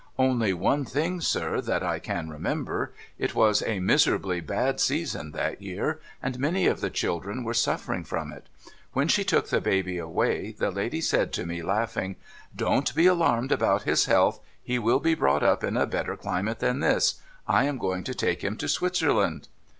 ' Only one thing, sir, that I can remember. It was a miserably bad season, that year ; and many of the children v»ere suffering from it. When she took the baby away, the lady said to me, laughing, Don't be alarmed about his' health. He will be brought up in a better climate than this — I am going to take him to Switzerland."